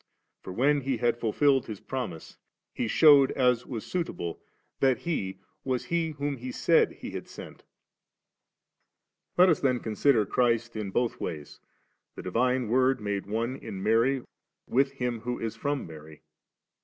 For when He had fulfilled His promise. He shewed, as was suitable, that He was He whom He said He had sent 34. Let us then consider Christ in bodi ways, the divine Word made one in Maiy wi& Him which is firom Mary.